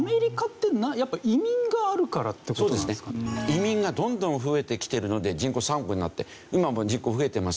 移民がどんどん増えてきてるので人口３億になって今も人口増えてますし。